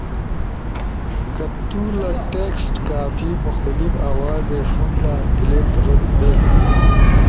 کہ تو لہ ٹیکسٹ کائی مختلف آوازے ݜونلا، کلپ رد بیلو۔